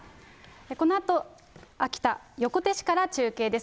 このあと、秋田・横手市から中継です。